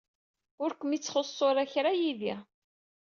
Ur kem-ittxuṣṣu ara kra yid-i.